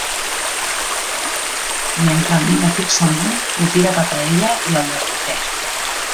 Mentre el mira fixament, ho tira cap a ella i el desbloqueja.